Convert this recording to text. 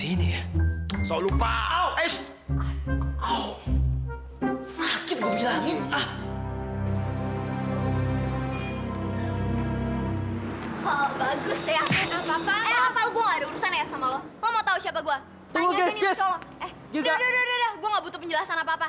eh udah udah gua nggak butuh penjelasan apa apa